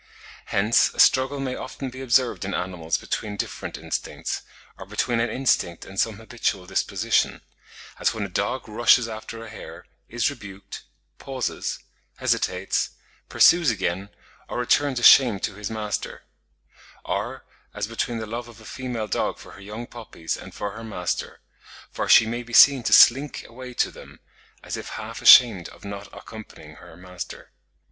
Hence a struggle may often be observed in animals between different instincts, or between an instinct and some habitual disposition; as when a dog rushes after a hare, is rebuked, pauses, hesitates, pursues again, or returns ashamed to his master; or as between the love of a female dog for her young puppies and for her master,—for she may be seen to slink away to them, as if half ashamed of not accompanying her master.